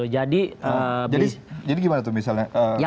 jadi gimana tuh misalnya